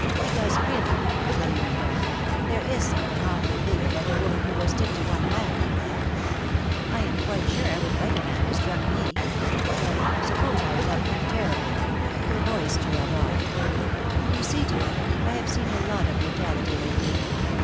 "Because really," Lily went on, "there is something awfully big about a woman who will stick to one man like that. I am quite sure I would bite a man who struck me, but suppose I loved him terribly " her voice trailed off. "You see, dear, I have seen a lot of brutality lately.